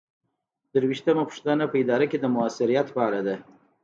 درویشتمه پوښتنه په اداره کې د مؤثریت په اړه ده.